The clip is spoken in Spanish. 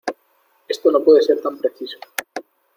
esto no puede ser tan preciso.